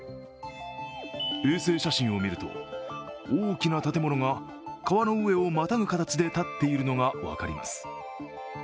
衛星写真を見ると、大きな建物が川の上をまたぐ形で建っているのが分かります。